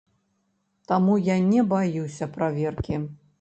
Таму я не баюся праверкі.